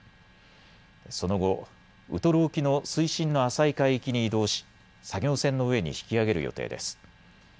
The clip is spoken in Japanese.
その後、ウトロ沖の水深の浅い海域に移動し作業船の上に引き揚げる予定です。